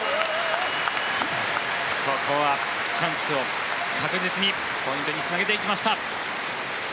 ここはチャンスを確実にポイントにつなげていきました。